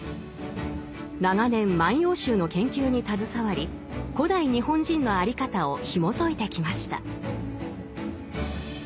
長年「万葉集」の研究に携わり古代日本人の在り方をひもといてきました。